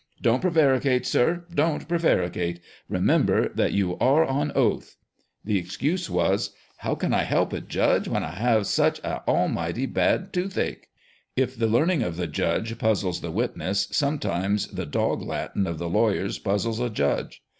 " Don't prevaricate, sir, don't prevaricate ; remember that you are on oath !" The excuse was, "How can I help it, judge, when I have such an almighty bad toothache !" If the learning of the judge puzzles the wit ness, sometimes the dog Latin of the lawyers puzzles a judge.